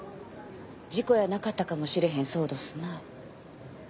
事故やなかったかもしれへんそうどすな。